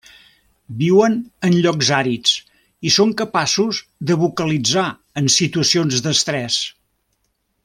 Viuen en llocs àrids, i són capaços de vocalitzar en situacions d'estres.